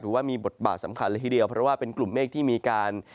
ว่ามีบทบาทสำคัญเลยทีเดียวเพราะว่าเป็นกลุ่มเมฆที่มีการ